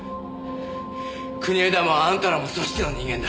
国枝もあんたらも組織の人間だ。